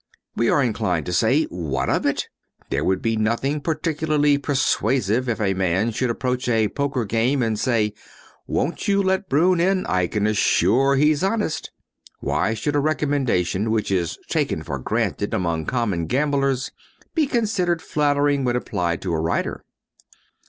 We are inclined to say "What of it?" There would be nothing particularly persuasive if a man should approach a poker game and say, "Won't you let Broun in; I can assure he's honest." Why should a recommendation which is taken for granted among common gamblers be considered flattering when applied to a writer?